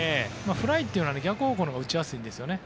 フライというのは逆方向のほうが打ちやすいんですね。